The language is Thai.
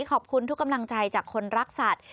ขอบคุณทุกกำลังใจจากคนรักสัตว์